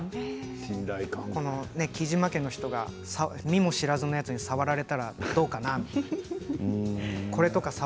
雉真家の人が見ず知らずのやつに触られたらどうかなというような。